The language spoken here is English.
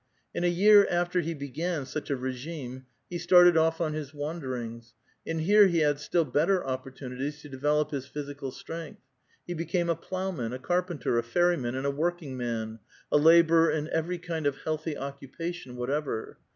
la a year after he began such a regime, he started off on hi» wanderings, and here he had still better opportunities to de velop his physical strength. He became a plowman, a car penter, a ferryman, and a workingman — a laborer in every kind of healthy occupation whatever.